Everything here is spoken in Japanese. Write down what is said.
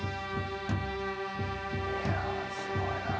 いやすごいなぁ。